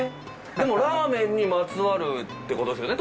でもラーメンにまつわるってことですよね？